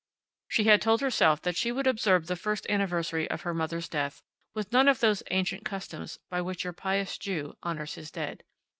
She had told herself that she would observe the first anniversary of her mother's death with none of those ancient customs by which your pious Jew honors his dead.